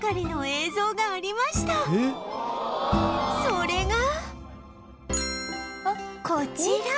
それがこちら